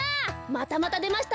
またまたでました！